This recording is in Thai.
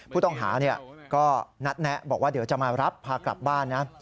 ผู้ต้องหาก็นัดแนะบอกว่าเดี๋ยวจะมารับพากลับบ้านนะ